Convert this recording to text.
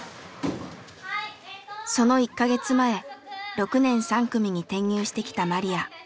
その１か月前６年３組に転入してきたマリヤ。